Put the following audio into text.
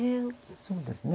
そうですね。